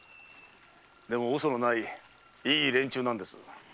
でも嘘のないいい連中なんです。